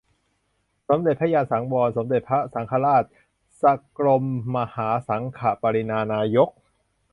สมเด็จพระญาณสังวร สมเด็จพระสังฆราช สกลมหาสังฆปริณานายก